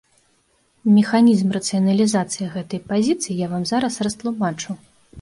Механізм рацыяналізацыі гэтай пазіцыі я вам зараз растлумачу.